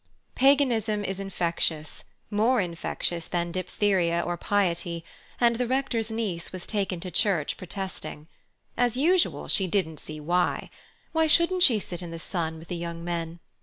Paganism is infectious—more infectious than diphtheria or piety—and the Rector's niece was taken to church protesting. As usual, she didn't see why. Why shouldn't she sit in the sun with the young men?